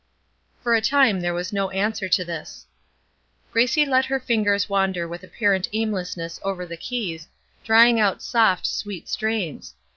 For a time there was no answer to this. Gracie let her fingers wander with apparent aimlessness over the keys, drawing out soft, sweet strains.